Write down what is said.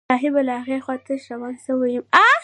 صايبه له هغې خوا تش روان سوى يم.